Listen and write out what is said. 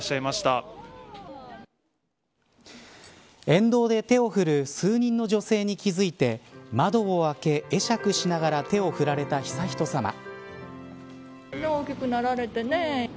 沿道で手を振る数人の女性に気付いて窓を開け、会釈しながら手を振られた悠仁さま。